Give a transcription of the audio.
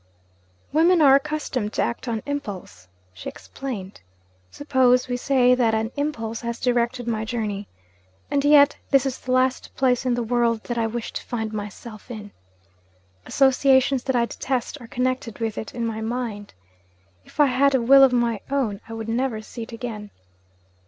'Women are accustomed to act on impulse,' she explained. 'Suppose we say that an impulse has directed my journey? And yet, this is the last place in the world that I wish to find myself in. Associations that I detest are connected with it in my mind. If I had a will of my own, I would never see it again.